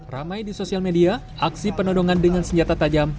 ramai di sosial media aksi penodongan dengan senjata tajam